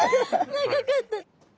長かった。